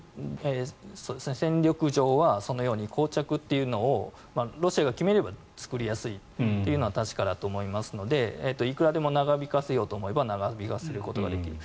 戦力上は、そのようにこう着というのをロシアが決めれば作りやすいというのは確かだと思いますのでいくらでも長引かせようと思えば長引かせることができる。